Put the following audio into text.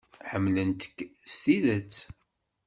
Ḥemmlent-k s tidet.